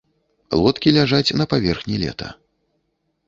Лодкі ляжаць на паверхні лета.